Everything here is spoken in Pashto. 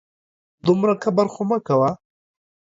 دومره کبر خو مه کوه